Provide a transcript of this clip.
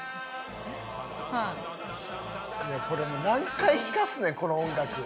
これもう何回聴かすねんこの音楽。